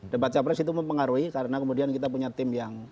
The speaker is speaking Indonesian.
debat capres itu mempengaruhi karena kemudian kita punya tim yang